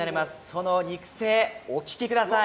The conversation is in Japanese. その肉声お聞きください。